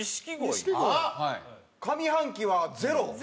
上半期はゼロ。